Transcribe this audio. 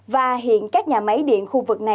và hiện các nhà máy điện lực